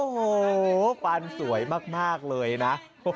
โอ้โหฟันสวยมากเลยนะ